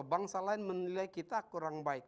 bangsa lain menilai kita kurang baik